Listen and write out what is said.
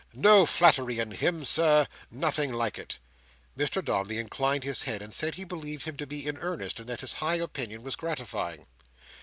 No flattery in him, Sir. Nothing like it." Mr Dombey inclined his head, and said he believed him to be in earnest, and that his high opinion was gratifying.